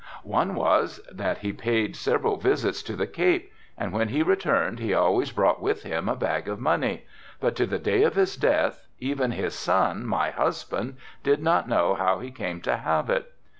"One was that he paid several visits to the Cape and when he returned he always brought with him a bag of money, but to the day of his death even his son, my husband, did not know how he came to have it.